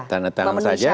tanda tangan saja